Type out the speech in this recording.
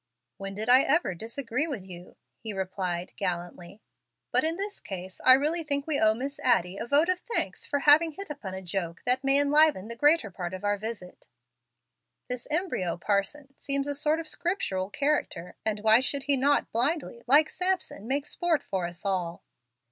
"When did I ever disagree with you?" he replied, gallantly. "But in this case I really think we owe Miss Addie a vote of thanks for having hit upon a joke that may enliven the greater part of our visit. This embryo parson seems a sort of a scriptural character; and why should he not blindly, like Samson, make sport for us all?"